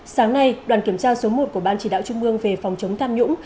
sáng nay đoàn kiểm tra số một của ban chỉ đạo trung ương về phòng chống tham nhũng